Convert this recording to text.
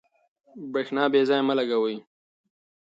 برېښنا بې ځایه مه لګوئ.